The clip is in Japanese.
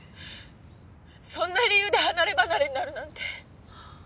そんな理由で離ればなれになるなんて。